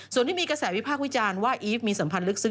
ส่วนที่มีกระแสวิพากษ์วิจารณ์ว่าอีฟมีสัมพันธ์ลึกซึ้